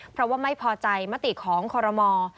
เพราะว่าไม่พอใจมติของคอรมอ